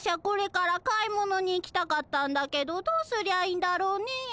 これから買い物に行きたかったんだけどどうすりゃいいんだろうね？